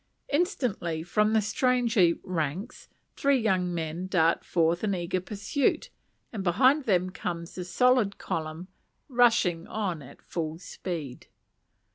Instantly, from the stranger ranks, three young men dart forth in eager pursuit; and behind them comes the solid column, rushing on at full speed.